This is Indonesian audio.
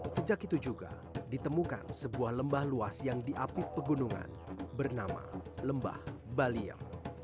sejak itu juga ditemukan sebuah lembah luas yang diapit pegunungan bernama lembah baliem